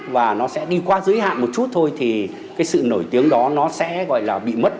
và nó sẽ đi qua giới hạn một chút thôi thì cái sự nổi tiếng đó nó sẽ gọi là bị mất